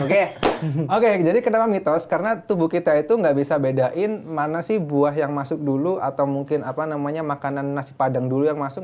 oke oke jadi kenapa mitos karena tubuh kita itu nggak bisa bedain mana sih buah yang masuk dulu atau mungkin apa namanya makanan nasi padang dulu yang masuk